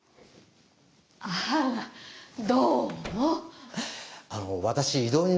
あぁどうも。